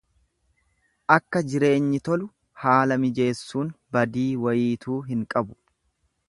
Akka jireenyi tolu haala mijeessuun badii wayiituu hin qabu.